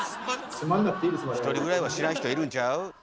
１人ぐらいは知らん人いるんちゃう？